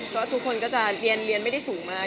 ก็ทุกคนก็จะเรียนไม่ได้สูงมาก